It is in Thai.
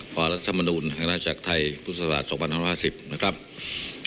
พรสมนุนทรัคทัยภูสาธารอาทิตย์ศักดิ์๒๐๕๐